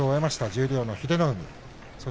十両の英乃海です。